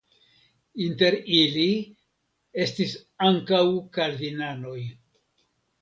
Inter ili estis ankaŭ kalvinanoj.